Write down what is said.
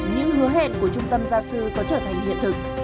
những hứa hẹn của trung tâm gia sư có trở thành hiện thực